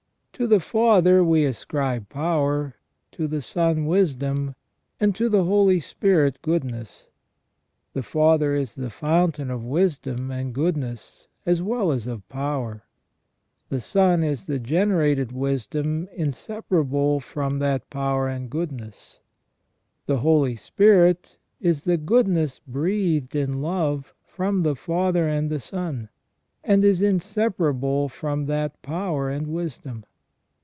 To the Father we ascribe power, to the Son wisdom, and to the Holy Spirit goodness. The Father is the fountain of wisdom and goodness as well as of power. The Son is the gene rated wisdom inseparable from that power and goodness. The Holy Spirit is the goodness breathed in love from the Father and the Son, and is inseparable from that power and wisdom.